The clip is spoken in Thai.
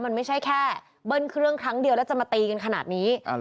มันไม่ใช่แค่เบิ้ลเครื่องครั้งเดียวแล้วจะมาตีกันขนาดนี้